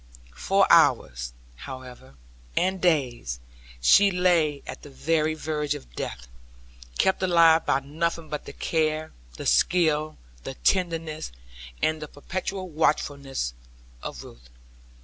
For hours, however, and days, she lay at the very verge of death, kept alive by nothing but the care, the skill, the tenderness, and the perpetual watchfulness of Ruth.